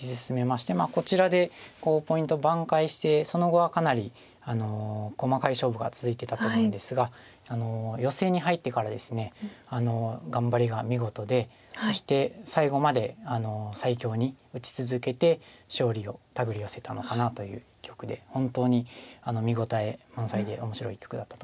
こちらでポイントを挽回してその後はかなり細かい勝負が続いてたと思うんですがヨセに入ってからですね頑張りが見事でそして最後まで最強に打ち続けて勝利を手繰り寄せたのかなという一局で本当に見応え満載で面白い一局だったと思います。